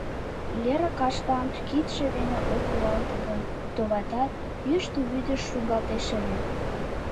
Леер каштам кидше дене ок руалте гын, товатат, йӱштӧ вӱдыш шуҥгалтеш ыле.